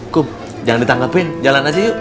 kum jangan ditangkepin jalan aja yuk